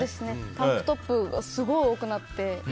タンクトップがすごく多くなって。